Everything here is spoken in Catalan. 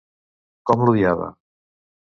Com l'odiava!